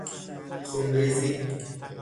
خون ریزی